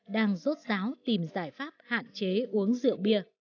đang rốt ráo tìm giải pháp hạn chế uống rượu bia